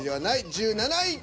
１７位。